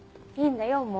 いいんだよ